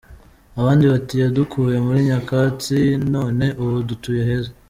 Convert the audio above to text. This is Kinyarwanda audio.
Abandi bati “Yadukuye muri nyakatsi none ubu dutuye heza.